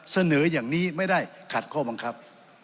เสนออย่างนี้ไม่ได้ขัดข้อบังคับ